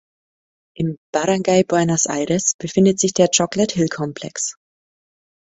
Im Barangay Buenos Aires befindet sich der "Chocolate Hill Complex".